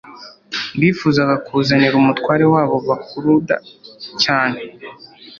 Bifuzaga kuzanira umutware wabo bakuruda cyane